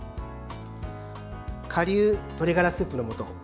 顆粒鶏がらスープの素。